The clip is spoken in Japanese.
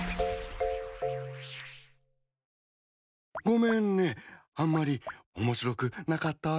ごめんねあんまり面白くなかったね。